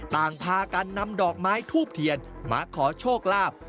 ต่างพากันนำดอกไม้ทูบเทียนมาขอโชคลาภ